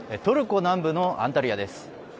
トルコ南部のアンタルヤです。